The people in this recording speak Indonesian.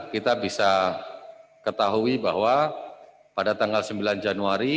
kita bisa ketahui bahwa pada tanggal sembilan januari